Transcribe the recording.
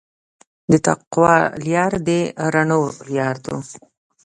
د تقوی لاره د رڼا لاره ده.